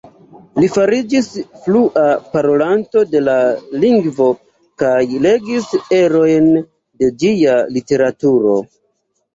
Li fariĝis flua parolanto de la lingvo kaj legis erojn de ĝia literaturo.